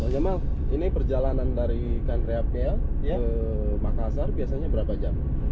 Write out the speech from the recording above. jamal ini perjalanan dari kandreapia ke makassar biasanya berapa jam